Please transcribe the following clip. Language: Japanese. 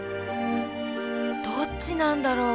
どっちなんだろう。